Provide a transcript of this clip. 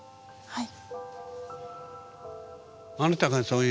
はい。